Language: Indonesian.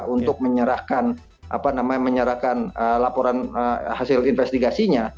untuk menyerahkan laporan hasil investigasinya